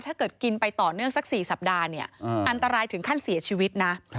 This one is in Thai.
ถ้าเกิดกินไปต่อเนื่องสัก๔สัปดาห์เนี่ยอันตรายถึงขั้นเสียชีวิตนะ